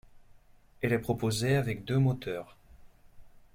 Elle est proposée avec deux moteurs.